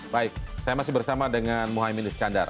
baik saya masih bersama dengan muhaymin iskandar